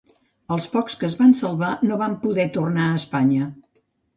Els pocs que es van salvar no van poder tornar a Espanya.